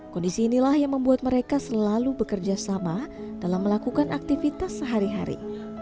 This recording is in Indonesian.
kondisi inilah yang membuat mereka selalu bekerja sama dalam melakukan aktivitas sehari hari